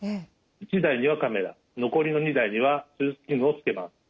１台にはカメラ残りの２台には手術器具をつけます。